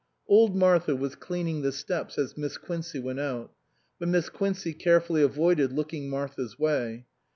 Old Martha was cleaning the steps as Miss Quincey went out; but Miss Quincey carefully avoided looking Martha's way.